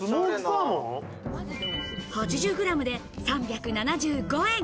８０グラムで３７５円。